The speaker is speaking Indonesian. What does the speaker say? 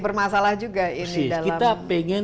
bermasalah juga ini dalam tender ini